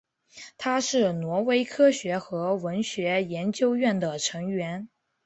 他是挪威科学和文学研究院的成员。